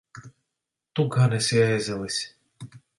Tu gan esi ēzelis!